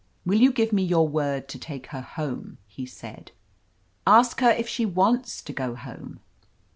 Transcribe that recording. "Will you give me your word to take her home?" he said. "Ask her if she wants to go home."